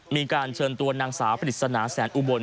มีการเชิญตัวนางสาวปริศนาแสนอุบล